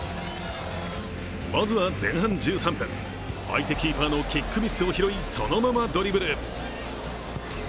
まずは前半１３分、相手キーパーのキックミスを拾いそのままドリブル。